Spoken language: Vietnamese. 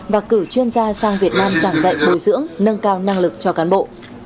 và cử chuyên gia sang việt nam giảng dạy bồi dưỡng nâng cao năng lực cho cán bộ